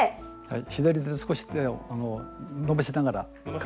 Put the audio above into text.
左で少し手を伸ばしながら片方の。